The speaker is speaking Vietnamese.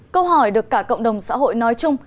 câu hỏi được cả cộng đồng xã hội nói chung